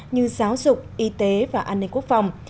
như giáo dục y tế và an ninh quốc phòng